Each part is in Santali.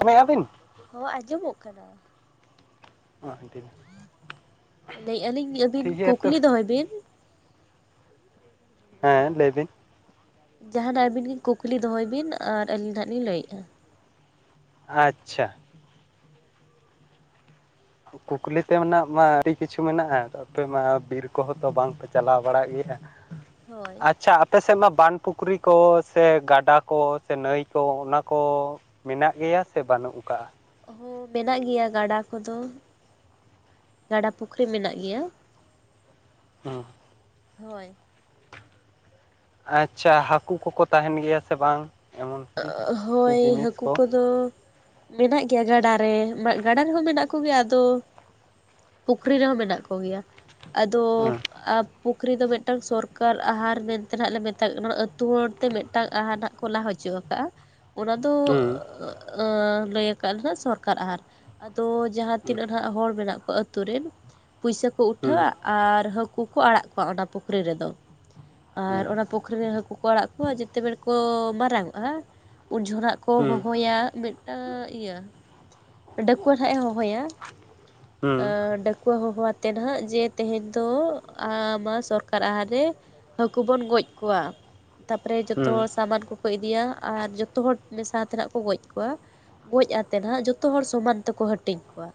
ᱮᱱᱮᱡ ᱟᱹᱵᱤᱱ᱾ ᱦᱚᱸ ᱟᱸᱡᱚᱢᱚᱜ ᱠᱟᱱᱟ᱾ ᱚᱸᱣᱟᱜ ᱤᱝᱠᱟᱹᱭ ᱢᱮ᱾ ᱞᱟᱹᱭᱮᱫ ᱟᱹᱞᱤᱧ ᱟᱹᱵᱤᱱ ᱴᱷᱤᱠ ᱜᱮᱭᱟ ᱛᱚ ᱠᱩᱠᱞᱤ ᱫᱚᱦᱚᱭ ᱵᱤᱱ ᱦᱮᱸ ᱞᱟᱹᱭ ᱵᱤᱱ᱾ ᱡᱟᱦᱟᱱᱟᱜ ᱟᱹᱵᱤᱱ ᱜᱮ ᱠᱩᱠᱞᱤ ᱫᱚᱦᱚᱭ ᱵᱤᱱ ᱟᱨ ᱟᱹᱞᱤᱧ ᱱᱟᱸᱦᱟᱜ ᱞᱤᱧ ᱞᱟᱹᱭᱮᱫᱼᱟ᱾ ᱟᱪᱪᱷᱟ᱾ ᱠᱩᱠᱞᱤ ᱛᱮ ᱢᱮᱱᱟᱜ ᱢᱟ ᱟᱹᱰᱤ ᱠᱤᱪᱷᱩ ᱢᱮᱱᱟᱜᱼᱟ, ᱟᱯᱮ ᱢᱟ ᱵᱤᱨ ᱠᱚᱦᱚᱸ ᱛᱚ ᱵᱟᱝᱯᱮ ᱪᱟᱞᱟᱣ ᱵᱟᱲᱟᱜ ᱜᱮᱭᱟ᱾ [inaudible] ᱟᱪᱪᱷᱟ᱾ ᱟᱯᱮᱥᱮᱫ ᱢᱟ ᱵᱟᱸᱫᱽ ᱯᱩᱠᱷᱨᱤ ᱠᱚ, ᱥᱮ ᱜᱟᱰᱟ ᱠᱚ, ᱥᱮ ᱱᱟᱹᱭ ᱠᱚ, ᱚᱱᱟ ᱠᱚᱼᱼ ᱢᱮᱱᱟᱜ ᱜᱮᱭᱟ ᱥᱮ ᱵᱟᱹᱱᱩᱜ ᱟᱠᱟᱜ-ᱟ? ᱦᱚᱸ ᱢᱮᱱᱟᱜ ᱜᱮᱭᱟ ᱜᱟᱰᱟ ᱠᱚᱫᱚ᱾ ᱜᱟᱰᱟ ᱯᱩᱠᱷᱨᱤ ᱢᱮᱱᱟᱜ ᱜᱮᱭᱟ᱾ ᱦᱟᱸ ᱦᱳᱭ᱾ ᱟᱪᱪᱷᱟ ᱦᱟᱹᱠᱩ ᱠᱚᱠᱚ ᱛᱟᱦᱮᱱ ᱜᱮᱭᱟ ᱥᱮ ᱵᱟᱝ? ᱮᱢᱚᱱ ᱠᱤ ᱠᱤᱪᱷᱩ ᱦᱳᱭ ᱡᱤᱱᱤᱥ ᱦᱟᱹᱠᱩ ᱠᱚ ᱠᱚᱫᱚᱻ ᱢᱮᱱᱟᱜ ᱜᱮᱭᱟ ᱜᱟᱰᱟ ᱨᱮᱻ ᱜᱟᱰᱟ ᱨᱮᱦᱚᱸ ᱢᱮᱱᱟᱜ ᱠᱚ ᱜᱮᱭᱟ ᱟᱫᱚᱼᱼ ᱯᱩᱠᱷᱨᱤ ᱨᱮᱦᱚᱸ ᱢᱮᱱᱟᱜ ᱠᱚ ᱜᱮᱭᱟ᱾ ᱟᱫᱚᱼᱼ ᱦᱩᱸ ᱯᱩᱠᱷᱨᱤ ᱫᱚ ᱢᱤᱫᱴᱟᱝ ᱥᱚᱨᱠᱟᱨ ᱟᱦᱟᱨ ᱢᱮᱱᱛᱮ ᱱᱟᱜ ᱞᱮ ᱢᱮᱛᱟᱜ ᱠᱟᱱᱟ ᱟᱹᱛᱩ ᱦᱚᱲ ᱛᱮ ᱢᱤᱫᱴᱟᱝ ᱟᱦᱟᱨ ᱱᱟᱜ ᱠᱚ ᱞᱟᱜ ᱦᱚᱪ ᱚᱪᱚᱜ ᱠᱟᱜᱼᱟ ᱚᱱᱟ ᱫᱚᱻ ᱦᱩᱸ ᱟᱸ ᱞᱟᱹᱭ ᱠᱟᱜ ᱞᱮᱱᱟ ᱥᱚᱨᱠᱟᱨ ᱟᱦᱟᱨ᱾ ᱟᱫᱚᱻ ᱡᱟᱦᱟᱸ ᱦᱩᱸ ᱛᱤᱱᱟᱹᱜ ᱱᱟᱦᱟᱜ ᱦᱚᱲ ᱢᱮᱱᱟᱜ ᱠᱚᱣᱟ ᱟᱹᱛᱩ ᱨᱮᱱ, ᱯᱩᱭᱥᱟᱹ ᱠᱚ ᱩᱴᱷᱟᱹᱣᱟ ᱦᱩᱸ ᱟᱨ ᱦᱟᱹᱠᱩ ᱠᱚ ᱟᱲᱟᱜ ᱠᱚᱣᱟ ᱚᱱᱟ ᱯᱩᱠᱷᱨᱤ ᱨᱮᱫᱚ᱾ ᱟᱨ ᱚᱱᱟ ᱯᱩᱠᱷᱨᱤ ᱨᱮᱱ ᱦᱟᱹᱠᱩ ᱠᱚ ᱟᱲᱟᱜ ᱠᱚᱣᱟ ᱡᱮᱛᱮ ᱵᱮᱲ ᱠᱚ ᱢᱟᱨᱟᱝ ᱚᱜᱼᱟ ᱩᱱ ᱡᱷᱚᱱᱟᱜ ᱠᱚ ᱦᱩᱸ ᱦᱚᱦᱚᱭᱟ ᱢᱤᱫᱴᱟᱝ ᱤᱭᱟᱹ ᱰᱟᱹᱠᱣᱟᱹ ᱱᱟᱸᱜ-ᱮ ᱦᱚᱦᱚᱭᱟ ᱦᱩᱸ ᱰᱟᱹᱠᱩᱣᱟᱹ ᱦᱚᱦᱚ ᱟᱛᱮᱫ ᱱᱟᱜ ᱡᱮ ᱛᱮᱦᱮᱧ ᱫᱚ ᱟ ᱢᱟ ᱥᱚᱨᱠᱟᱨ ᱟᱦᱟᱨ ᱨᱮ ᱦᱟᱹᱠᱩ ᱵᱚᱱ ᱜᱚᱡ ᱠᱚᱣᱟ᱾ ᱛᱟᱯᱚᱨᱮ ᱡᱚᱛᱚ ᱦᱩᱸ ᱦᱚᱲ ᱥᱟᱢᱟᱱ ᱠᱚ ᱠᱚ ᱤᱫᱤᱭᱟ ᱟᱨ ᱡᱚᱛᱚ ᱦᱚᱲ ᱢᱮᱥᱟ ᱛᱮᱱᱟᱜ ᱠᱚ ᱜᱚᱡ ᱠᱚᱣᱟ᱾ ᱜᱚᱡ ᱟᱛᱮ ᱱᱟᱦᱟᱜ ᱡᱚᱛᱚ ᱦᱚᱲ ᱥᱚᱢᱟᱱ ᱛᱮᱠᱚ ᱦᱟᱹᱴᱤᱧ ᱠᱚᱣᱟ᱾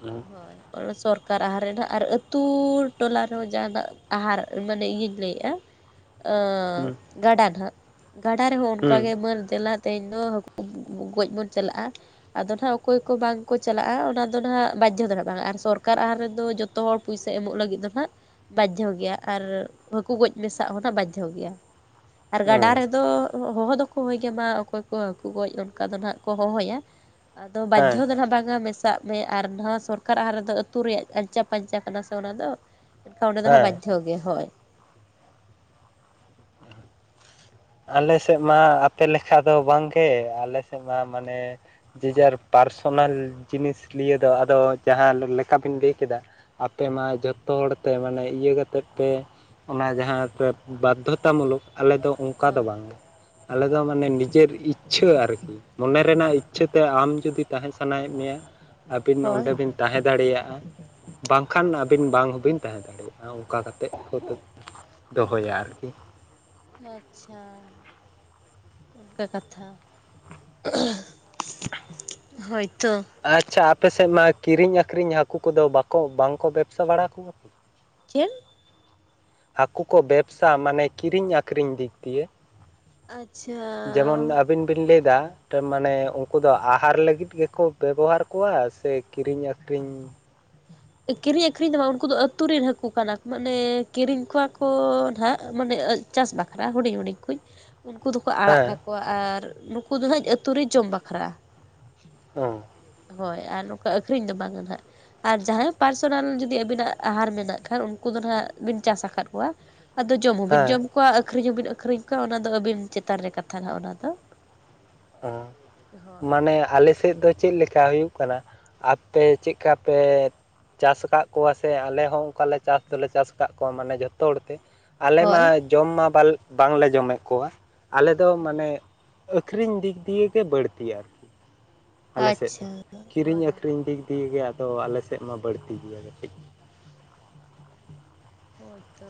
ᱦᱩᱸ ᱦᱳᱭ᱾ ᱚᱱᱟ ᱥᱚᱨᱠᱟᱨ ᱟᱦᱟᱨ ᱨᱮᱱᱟᱜ ᱟᱨ ᱟᱹᱛᱩ ᱴᱚᱞᱟ ᱨᱮᱦᱚᱸ ᱡᱟᱦᱟᱱᱟᱜ ᱟᱦᱟᱨ ᱢᱟᱱᱮ ᱤᱧᱤᱧ ᱞᱟᱹᱭᱮᱫᱼᱟ ᱟᱸᱻᱜᱟᱰᱟ ᱱᱟᱜ ᱨᱮᱦᱚᱸ ᱦᱩᱸ ᱚᱱᱠᱟᱜᱮ ᱢᱟᱹᱨ ᱫᱮᱞᱟ ᱛᱮᱦᱤᱧ ᱫᱚ ᱦᱟᱹᱠᱩ ᱜᱚᱡ ᱵᱚᱱ ᱪᱟᱞᱟᱜᱼᱟ, ᱟᱫᱚ ᱱᱟᱦᱟᱜ ᱚᱠᱚᱭ ᱠᱚ ᱵᱟᱝ ᱠᱚ ᱪᱟᱞᱟᱜᱼᱟᱚᱱᱟᱫᱚ ᱛᱮᱼᱼ ᱫᱚ ᱱᱟᱦᱟᱜ ᱵᱟᱫᱽᱫᱷᱚ ᱫᱚ ᱱᱟᱜ ᱵᱟᱝ ᱟᱨ ᱥᱚᱨᱠᱟᱨ ᱟᱦᱟᱨ ᱨᱮᱫᱚ ᱡᱚᱛᱚ ᱦᱚᱲ ᱯᱚᱭᱥᱟ ᱮᱢᱚᱜ ᱞᱟᱹᱜᱤᱫ ᱫᱚ ᱱᱟᱜ ᱵᱟᱫᱽᱫᱷᱚ ᱜᱮᱭᱟ ᱟᱨ ᱦᱟᱹᱠᱩ ᱜᱚᱡ ᱢᱮᱥᱟᱜ ᱦᱚᱸᱱᱟᱜ ᱵᱟᱫᱽᱫᱷᱚ ᱜᱮᱭᱟ᱾ ᱟᱨ ᱜᱟᱰᱟ ᱦᱩᱸ ᱨᱮᱫᱚ ᱦᱚᱦᱚ ᱫᱚᱠᱚ ᱦᱚᱦᱚᱭ ᱜᱮᱭᱟ ᱢᱟ ᱚᱠᱚᱭ ᱠᱚ ᱦᱟᱹᱠᱩ ᱜᱚᱡ ᱚᱱᱠᱟ ᱫᱚ ᱦᱟᱸᱜ ᱠᱚ ᱦᱚᱦᱚᱭᱟ᱾ ᱟᱫᱚ ᱦᱮᱸ ᱵᱟᱫᱽᱫᱷᱚ ᱫᱚ ᱱᱟᱜ ᱵᱟᱝ-ᱟ ᱢᱮᱼᱼ ᱢᱮ ᱟᱨ ᱱᱚᱣᱟ ᱥᱚᱨᱠᱟᱨ ᱟᱦᱟᱨ ᱨᱮᱫᱚ ᱟᱹᱛᱩ ᱨᱮᱭᱟᱜ ᱟᱧᱪᱟᱼᱯᱟᱧᱪᱟ ᱠᱟᱱᱟ ᱥᱮ ᱚᱱᱟᱫᱚ᱾ ᱪᱮᱫᱠᱟ ᱚᱰᱮ ᱫᱚ ᱦᱟᱸᱜ ᱦᱮᱸ ᱵᱟᱫᱽᱫᱷ ᱜᱮᱭᱟ ᱦᱚᱭ᱾ ᱟᱞᱮ ᱥᱮᱫ ᱢᱟ ᱟᱯᱮ ᱞᱮᱠᱟ ᱫᱚ ᱵᱟᱝᱜᱮ, ᱟᱞᱮ ᱥᱮᱫ ᱢᱟ ᱢᱟᱱᱮ ᱡᱮᱡᱟᱨ ᱯᱟᱨᱥᱚᱱᱟᱞ ᱡᱤᱱᱤᱥ ᱱᱤᱭᱟᱹ ᱫᱚ ᱟᱫᱚ ᱡᱟᱦᱟᱸ ᱞᱮᱠᱟᱵᱤᱱ ᱞᱟᱹᱭ ᱠᱮᱫᱟ ᱟᱯᱮ ᱢᱟ ᱡᱷᱚᱛᱚ ᱦᱚᱲᱛᱮ ᱢᱟᱱᱮ ᱤᱭᱟᱹ ᱠᱟᱛᱮᱫ ᱯᱮ ᱚᱱᱟ ᱡᱟᱦᱟᱸᱯᱮ ᱵᱟᱫᱽᱫᱷᱚᱛᱟ ᱢᱩᱞᱚᱠ ᱟᱞᱮ ᱫᱚ ᱚᱱᱠᱟ ᱫᱚ ᱵᱟᱝᱜᱮ᱾ ᱟᱞᱮ ᱫᱚ ᱢᱟᱱᱮ ᱱᱤᱡᱮᱨ ᱤᱪᱪᱷᱟᱹ ᱟᱨᱠᱤ᱾ ᱢᱚᱱᱮ ᱨᱮᱱᱟᱜ ᱤᱪᱪᱷᱟᱹ ᱛᱮ ᱟᱢ ᱡᱩᱫᱤ ᱛᱟᱦᱮᱸ ᱥᱟᱱᱟᱭᱮᱫ ᱢᱮᱭᱟ ᱟᱹᱵᱤᱱ ᱦᱳᱭ ᱚᱸᱰᱮ ᱵᱤᱱ ᱛᱟᱦᱮᱸ ᱫᱟᱲᱮᱭᱟᱜᱼᱟ, ᱵᱟᱝᱠᱷᱟᱱ ᱟᱹᱵᱤᱱ ᱵᱟᱝ ᱦᱚᱸᱵᱤᱱ ᱛᱟᱦᱮᱸ ᱫᱟᱲᱮᱭᱟᱜᱼᱟ ᱚᱱᱠᱟ ᱠᱟᱛᱮᱫ [inaudible] ᱫᱚᱦᱚᱭᱟ ᱟᱨᱠᱤ᱾ ᱟᱪᱪᱷᱟ᱾ ᱚᱱᱠᱟ ᱠᱟᱛᱷᱟ, ᱦᱳᱭᱛᱚ᱾ ᱟᱪᱪᱷᱟ ᱟᱯᱮ ᱥᱮᱫ ᱢᱟ ᱠᱤᱨᱤᱧ ᱟᱠᱷᱨᱤᱧ ᱦᱟᱹᱠᱩ ᱠᱚᱫᱚ ᱵᱟᱠᱚ ᱵᱟᱝᱠᱚ ᱵᱮᱵᱽᱥᱟ ᱵᱟᱲᱟ ᱠᱚᱣᱟ ᱠᱤ? ᱪᱮᱫ? ᱦᱟᱹᱠᱩ ᱠᱚ ᱵᱮᱵᱥᱟ ᱢᱟᱱᱮ ᱠᱤᱨᱤᱧ ᱟᱠᱷᱨᱤᱧ ᱫᱤᱠ ᱫᱤᱭᱟᱹ᱾ ᱟᱪᱪᱷᱟ᱾ ᱡᱮᱢᱚᱱ ᱟᱹᱵᱤᱱ ᱵᱤᱱ ᱞᱮᱭ ᱫᱟ ᱴᱟᱝ ᱢᱟᱱᱮ ᱩᱱᱠᱩ ᱫᱚ ᱟᱦᱟᱨ ᱞᱟᱹᱜᱤᱫ ᱜᱮᱠᱚ ᱵᱮᱵᱚᱦᱟᱨ ᱠᱚᱣᱟ ᱥᱮ ᱠᱤᱨᱤᱧ ᱟᱠᱷᱨᱤᱧ? ᱠᱤᱨᱤᱧ ᱟᱹᱠᱷᱨᱤᱧ ᱫᱚ ᱵᱟᱝ ᱩᱱᱠᱩ ᱫᱚ ᱟᱹᱛᱩ ᱨᱮᱱ ᱦᱟᱹᱠᱩ ᱠᱟᱱᱟᱠ ᱢᱟᱱᱮ ᱠᱤᱨᱤᱧ ᱠᱚᱣᱟ ᱠᱚ ᱱᱟᱦᱟᱜ ᱢᱟᱱᱮ ᱪᱟᱥ ᱵᱟᱠᱷᱨᱟ ᱦᱤᱲᱤᱧ ᱦᱩᱰᱤᱧ ᱠᱩᱧ᱾ ᱩᱱᱠᱩ ᱫᱚᱠᱚ ᱟᱲᱟᱜ ᱦᱮᱸ ᱠᱟᱠᱚᱣᱟ ᱟᱨ ᱱᱩᱠᱩ ᱫᱚ ᱦᱟᱸᱜ ᱟᱹᱛᱩ ᱨᱮ ᱡᱚᱢ ᱵᱟᱠᱷᱨᱟ᱾ ᱚ᱾ ᱦᱳᱭ ᱟᱨ ᱱᱚᱝᱠᱟ ᱟᱹᱠᱷᱨᱤᱧ ᱫᱚ ᱵᱟᱝᱟ ᱱᱟᱦᱟᱜ᱾ ᱟᱨ ᱡᱟᱦᱟᱸᱭ ᱯᱟᱨᱥᱚᱱᱟᱞ ᱡᱩᱫᱤ ᱟᱵᱤᱱᱟᱜ ᱟᱦᱟᱨ ᱢᱮᱱᱟᱜ ᱠᱷᱟᱱ ᱩᱱᱠᱩ ᱫᱚ ᱱᱟᱦᱟᱜ ᱵᱤᱱ ᱪᱟᱥ ᱟᱠᱟᱫ ᱠᱚᱣᱟ᱾ ᱟᱫᱚ ᱡᱚᱢ ᱦᱚᱸᱵᱤᱱ ᱦᱮᱸ ᱡᱚᱢ ᱠᱚᱣᱟ ᱟᱹᱷᱨᱤᱧ ᱦᱚᱸᱵᱤᱱ ᱟᱠᱷᱨᱤᱧ ᱠᱚᱣᱟ ᱚᱱᱟ ᱫᱚ ᱟᱹᱵᱤᱱ ᱪᱮᱛᱟᱱ ᱨᱮ ᱠᱟᱛᱷᱟ ᱱᱟᱦᱟᱜ ᱚᱱᱟ ᱫᱚ᱾ ᱚᱸ ᱦᱳᱭ ᱢᱟᱱᱮ ᱟᱞᱮ ᱥᱮ ᱥᱮᱫ ᱫᱚ ᱪᱮᱫ ᱞᱮᱠᱟ ᱦᱩᱭᱩᱜ ᱠᱟᱱᱟ, ᱟᱯᱮ ᱪᱮᱫᱠᱟ ᱯᱮ ᱪᱟᱥ ᱠᱟᱜ ᱠᱚᱣᱟ ᱥᱮ ᱟᱞᱮ ᱦᱚᱸ ᱚᱱᱠᱟᱞᱮ ᱪᱟᱥ ᱫᱚᱞᱮ ᱪᱟᱥ ᱠᱟᱜ ᱠᱚᱣᱟ ᱢᱟᱱᱮ ᱡᱷᱚᱛᱚ ᱦᱚᱲ ᱛᱮ᱾ ᱟᱞᱮ ᱢᱟ ᱦᱳᱭ ᱡᱚᱢ ᱢᱟ ᱵᱟᱞ ᱵᱟᱝᱞᱮ ᱡᱚᱢᱮᱫ ᱠᱚᱣᱟ, ᱟᱞᱮ ᱫᱚ ᱢᱟᱱᱮ ᱠᱷᱨᱤᱧ ᱫᱤᱠ ᱫᱤᱭᱮᱴᱟᱹ ᱜᱮ ᱵᱟᱹᱲᱛᱤ ᱟᱨ ᱟᱞᱮ ᱥᱮᱫ ᱫᱚ, ᱟᱪᱪᱷᱟ ᱦᱳᱭ ᱦᱳᱭ ᱠᱤᱨᱤᱧ ᱟᱹᱠᱷᱨᱤᱧ ᱫᱤᱠ ᱫᱤᱭᱮ ᱜᱮ ᱟᱫᱚ ᱟᱞᱮ ᱥᱮᱫ ᱢᱟ ᱵᱟᱹᱲᱛᱤ ᱜᱮᱭᱟ ᱠᱟᱹᱴᱤᱡ᱾ ᱦᱳᱭᱛᱳ᱾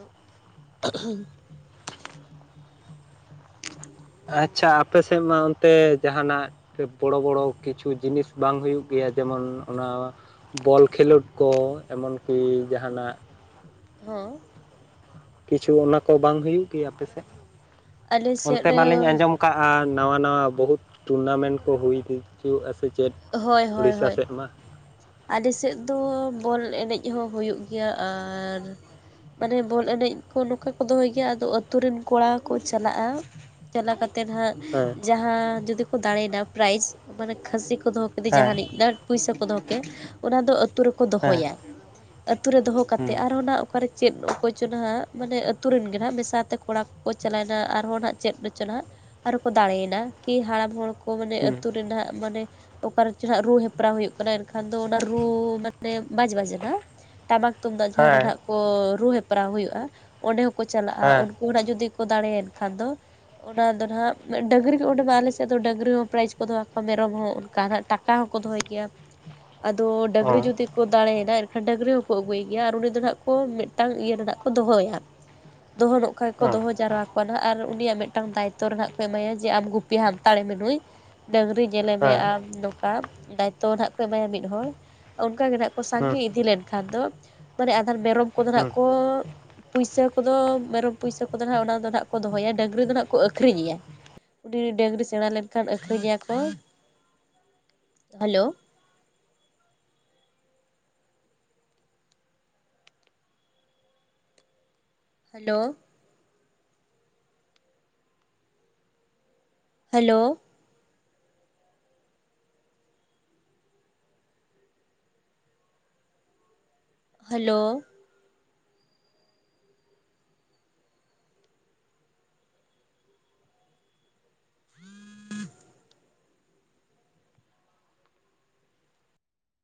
ᱟᱪᱪᱷᱟ ᱟᱯᱮ ᱥᱮᱫ ᱢᱟ ᱚᱱᱛᱮ ᱡᱟᱦᱟᱱᱟᱜ ᱯᱮ ᱵᱚᱲᱚ ᱵᱚᱲᱚ ᱠᱤᱪᱷᱩ ᱡᱤᱱᱤᱥ ᱵᱟᱝ ᱦᱩᱭᱩᱜ ᱜᱮᱭᱟ ᱡᱮᱢᱚᱱ ᱚᱱᱟ ᱵᱚᱞ ᱠᱷᱮᱞᱳᱰ ᱠᱚ ᱮᱢᱚᱱᱠᱤ ᱡᱟᱦᱟᱱᱟᱜ ᱦᱚᱸ᱾ ᱠᱤᱪᱷᱩ ᱚᱱᱟ ᱠᱚ ᱵᱟᱝ ᱦᱩᱭᱩᱜ ᱜᱮᱭᱟ ᱟᱯᱮ ᱥᱮᱫ? ᱟᱞᱮ ᱚᱱᱛᱮ ᱥᱮᱫ ᱢᱟᱞᱤᱧ ᱟᱸᱡᱚᱢ ᱠᱟᱜᱼᱟ ᱱᱟᱣᱟ ᱱᱟᱣᱟ ᱵᱚᱦᱩᱛ ᱴᱩᱨᱱᱟᱢᱮᱱᱴ ᱠᱚ ᱦᱩᱭ ᱫᱤᱡᱩᱜᱼᱟ ᱥᱮ ᱪᱮᱫ? ᱦᱳᱭ ᱦᱳᱭ ᱩᱲᱤᱥᱥᱟ ᱦᱳᱭ᱾ ᱥᱮᱫ ᱢᱟ ᱟᱞᱮ ᱥᱮᱫ ᱫᱚ ᱵᱚᱞ ᱮᱱᱮᱡ ᱦᱚᱸ ᱦᱩᱭᱩᱜ ᱜᱮᱭᱟ ᱟᱨ ᱢᱟᱱᱮ ᱵᱚᱞ ᱮᱱᱮᱡ ᱠᱚ ᱱᱚᱠᱟ ᱠᱚ ᱫᱚᱦᱚᱭ ᱜᱮᱭᱟ ᱟᱫᱚ ᱟᱹᱛᱩ ᱨᱮᱱ ᱠᱚᱲᱟ ᱠᱚ ᱪᱟᱞᱟᱜᱼᱟ᱾ ᱪᱟᱞᱟ ᱠᱟᱛᱮᱫ ᱦᱟᱸᱜ ᱦᱟᱸ᱾ ᱡᱟᱦᱟᱸ ᱡᱩᱫᱤ ᱠᱚ ᱫᱟᱲᱮᱭᱱᱟ ᱯᱨᱟᱭᱤᱡ ᱢᱟᱱᱮ ᱠᱷᱟᱹᱥᱤ ᱠᱚ ᱫᱚᱦᱚ ᱠᱮᱫᱮ ᱦᱮᱸ ᱡᱟᱦᱟᱱᱤᱡ ᱱᱟ ᱯᱩᱭᱥᱟ ᱠᱚ ᱫᱚᱦᱚ ᱠᱮᱫᱟ ᱠᱮ ᱚᱱᱟ ᱫᱚ ᱟᱹᱛᱩ ᱨᱮᱠᱚ ᱦᱮᱸ ᱫᱚᱦᱚᱭᱟ, ᱟᱹᱛᱩ ᱨᱮ ᱫᱚᱦᱚ ᱠᱟᱛᱮ ᱦᱩᱸ ᱟᱨᱦᱚᱸ ᱱᱟᱜ ᱚᱠᱟᱨᱮ ᱪᱮᱫ ᱚᱠᱚᱭᱪᱚ ᱱᱟᱦᱟᱜ ᱢᱟᱱᱮ ᱟᱛᱩ ᱨᱮᱱ ᱜᱮ ᱱᱟᱦᱟᱜ ᱢᱮᱥᱟ ᱛᱮ ᱠᱚᱲᱟ ᱠᱚᱠᱚ ᱪᱟᱞᱟᱣᱮᱱᱟ ᱟᱨᱦᱚᱸ ᱱᱟᱜ ᱪᱮᱫ ᱚᱪᱚ ᱱᱟᱦᱟᱜ, ᱟᱨ ᱦᱚᱸ ᱠᱚ ᱫᱟᱲᱮᱭᱮᱱᱟ ᱠᱤ ᱦᱟᱲᱟᱢ ᱦᱚᱲ ᱠᱚ ᱢᱟᱱᱮ ᱦᱩᱸ ᱟᱹᱛᱩ ᱨᱮ ᱱᱟᱦᱟᱜ ᱢᱟᱱᱮ ᱚᱠᱟᱨᱮ ᱪᱚ ᱦᱟᱸᱜ ᱨᱩ ᱦᱮᱯᱨᱟᱣ ᱦᱩᱭᱩᱜ ᱠᱟᱱᱟ ᱮᱱ ᱠᱷᱟᱱ ᱫᱚ ᱚᱱᱟ ᱨᱩ ᱢᱟᱱᱮ ᱵᱟᱡ ᱵᱟᱡᱱᱟ, ᱴᱟᱢᱟᱠ ᱛᱩᱢᱫᱟᱜ ᱡᱟᱦᱟᱸᱨᱮ ᱦᱮᱸ ᱱᱟᱦᱟᱜ ᱠᱚ ᱨᱩ ᱦᱮᱯᱨᱟᱣ ᱦᱩᱭᱩᱜᱼᱟ, ᱚᱸᱰᱮ ᱦᱚᱸ ᱠᱚ ᱪᱟᱞᱟᱜᱼᱟ ᱦᱮᱸ ᱩᱱᱠᱩ ᱦᱚᱸ ᱱᱟᱜ ᱡᱩᱫᱤ ᱠᱚ ᱫᱟᱲᱮᱭᱮᱱ ᱠᱷᱟᱱ ᱫᱚ ᱚᱱᱟ ᱫᱚ ᱱᱟᱦᱟᱜ ᱰᱟᱹᱝᱨᱤ ᱠᱚ ᱚᱸᱰᱮ ᱢᱟ ᱟᱞᱮ ᱥᱮᱫ ᱫᱚ ᱰᱟᱹᱝᱨᱤ ᱦᱚᱸ ᱯᱨᱟᱭᱤᱡ ᱠᱚ ᱫᱚᱦᱚ ᱠᱚᱣᱟ ᱢᱮᱨᱚᱢ ᱦᱚᱸ ᱚᱱᱠᱟ ᱦᱟᱸᱜ, ᱴᱟᱠᱟ ᱦᱚᱸᱠᱚ ᱫᱚᱦᱚᱭ ᱜᱮᱭᱟ, ᱟᱫᱚ ᱚ ᱰᱟᱹᱝᱨᱤ ᱡᱩᱫᱤ ᱠᱚ ᱫᱟᱲᱮᱭᱱᱟ ᱮᱱᱠᱷᱟᱱ ᱰᱟᱹᱝᱨᱤ ᱦᱚᱸᱠᱚ ᱟᱹᱜᱩᱭᱮ ᱜᱮᱭᱟ ᱟᱨ ᱩᱱᱤ ᱫᱚ ᱱᱟᱦᱟᱜ ᱠᱚ ᱢᱤᱫᱴᱟᱝ ᱤᱭᱟᱹ ᱨᱮ ᱱᱟᱦᱟᱜ ᱠᱚ ᱫᱚᱦᱚᱭᱟ᱾ ᱫᱚᱦᱚ ᱱᱚᱜ ᱠᱷᱟᱡ ᱠᱚ ᱚ ᱫᱚᱦᱚ ᱡᱟᱨᱣᱭᱟ, ᱟᱨ ᱩᱱᱤᱭᱟᱜ ᱢᱤᱫᱴᱟᱝ ᱫᱟᱭᱤᱛᱚᱨ ᱦᱮᱱᱟᱜ ᱠᱚ ᱮᱢᱟᱭᱟ ᱡᱮ ᱟᱢ ᱜᱩᱯᱤ ᱦᱟᱱᱛᱟᱲᱮᱢᱮ ᱱᱩᱭ ᱾ ᱰᱟᱹᱝᱨᱤ ᱧᱮᱞᱮ ᱢᱮ ᱦᱮᱸ ᱟᱢ ᱱᱚᱝᱠᱟ ᱫᱟᱭᱤᱛᱛᱚ ᱱᱟᱜ ᱠᱚ ᱮᱢᱟᱭᱟ ᱢᱤᱫ ᱦᱚᱲ ᱚᱱᱠᱟ ᱜᱮ ᱱᱟᱜ ᱦᱩᱸ ᱥᱟᱸᱜᱮ ᱤᱫᱤ ᱞᱮᱱ ᱠᱷᱟᱱ ᱫᱚ ᱢᱟᱱᱮ ᱟᱫᱷᱟᱱ ᱢᱮᱨᱚᱢ ᱠᱚ ᱫᱚ ᱦᱩᱸ ᱱᱟᱜ ᱠᱚ ᱯᱩᱭᱥᱟᱹ ᱠᱚ ᱫᱚ ᱢᱮᱨᱚᱢ ᱯᱩᱭᱥᱟᱹ ᱠᱚ ᱫᱚ ᱱᱟᱜ ᱚᱱᱟ ᱫᱚ ᱱᱟᱜ ᱠᱚ ᱫᱚᱦᱚᱭᱟ ᱰᱟᱹᱝᱨᱤ ᱫᱚ ᱱᱟᱜ ᱠᱚ ᱟᱹᱠᱷᱨᱤᱧᱮᱭᱟ ᱾ ᱩᱱᱤ ᱰᱟᱹᱝᱨᱤ ᱥᱮᱬᱟ ᱞᱮᱱ ᱠᱷᱟᱱ ᱟᱹᱠᱷᱨᱤᱧᱮᱭᱟ ᱠᱚ, ᱦᱮᱞᱳ ᱦᱮᱞᱳ, ᱦᱮᱞᱳ, ᱦᱮᱞᱳ,